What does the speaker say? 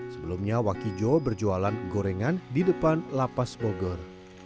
sebelumnya wakijo berjualan gorengan di depan lapas bogor